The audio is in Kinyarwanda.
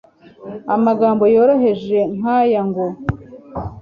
amagambo yoroheje, nk'aya ngo